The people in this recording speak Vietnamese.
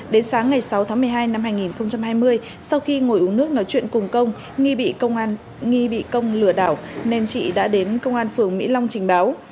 đến sáng ngày sáu tháng một mươi hai năm hai nghìn hai mươi sau khi ngồi uống nước nói chuyện cùng công nghi bị công lừa đảo nên chị đã đến công an phường mỹ long trình báo